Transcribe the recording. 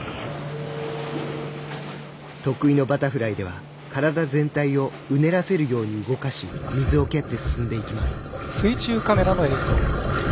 得意のバタフライでは体全体をうねらせるように動かし水を蹴って進んでいきます。